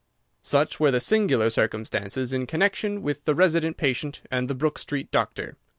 Such were the singular circumstances in connection with the Resident Patient and the Brook Street Doctor.